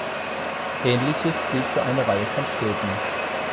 Ähnliches gilt für eine Reihe von Städten.